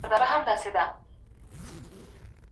ړوند ډاکټر کولای سي په ګڼ ځای کي اوږده کیسه وکړي.